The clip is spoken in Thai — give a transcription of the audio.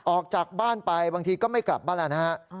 ออกจากบ้านไปบางทีก็ไม่กลับบ้านแล้วนะฮะ